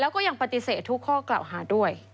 แล้วก็ยังปฏิเสธทุกข้อกล่าวหาด้วย